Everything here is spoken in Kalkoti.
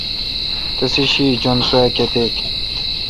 تسےشی جّن سوا کیتک۔